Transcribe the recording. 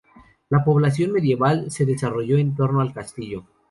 La población medieval se desarrolló en torno al castillo.